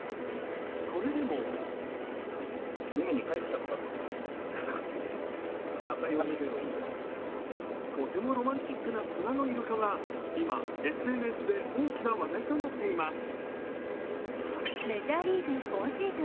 それでもとてもロマンチックな砂のイルカは今、ＳＮＳで大きな話題となっています。